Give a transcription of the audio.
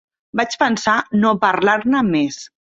Vaig pensar no parlar-ne més.